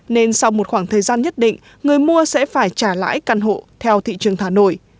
nên sau một khoảng thời gian nhất định người mua sẽ phải trả lãi căn hộ theo thị trường thà nội